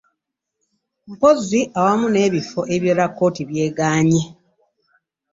Mpozzi awamu n'ebifo ebirala, kkooti ky'egaanye.